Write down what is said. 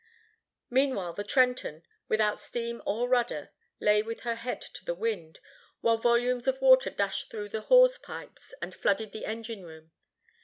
Meanwhile the Trenton, without steam or rudder, lay with her head to the wind, while volumes of water dashed through the hawse pipes and flooded the engine room.